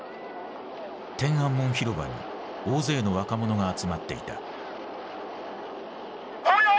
天安門広場に大勢の若者が集まっていた。